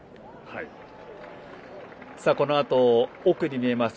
このあと奥に見えます